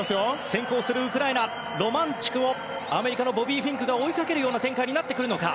先行するウクライナロマンチュクをアメリカのボビー・フィンクが追いかけるような展開になってくるのか。